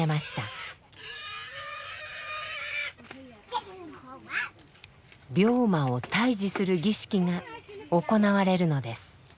病魔を退治する儀式が行われるのです。